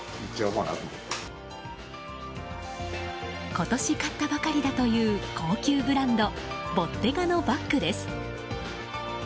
今年買ったばかりだという高級ブランドボッテガのバッグです。